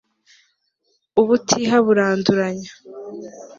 ubutiha buranduranya